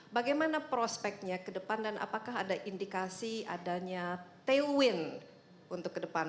bagaimana prospeknya ke depan dan apakah ada indikasi adanya tailwind untuk ke depan